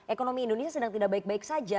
ekonomi indonesia sedang tidak baik baik saja